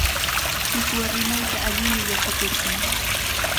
Qichwa rimayta allimi yachakurqun.